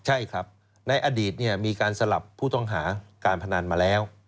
ใช่ครับในอดีตมีการสลับผู้ต้องหาการพนันมาแล้ว